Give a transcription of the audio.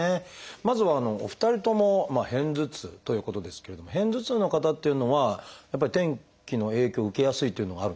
まずはお二人とも片頭痛ということですけれども片頭痛の方っていうのはやっぱり天気の影響を受けやすいというのがあるんですか？